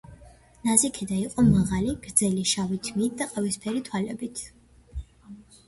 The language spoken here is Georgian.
ნაზიქედა იყო მაღალი, გრძელი შავი თმით და ყავისფერი თვალებით.